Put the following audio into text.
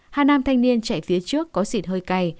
hai nam thanh niên chạy phía trước có xịt hơi cay